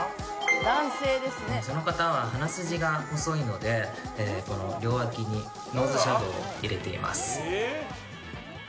この方は鼻筋が細いので両脇にノーズシャドウを入れています。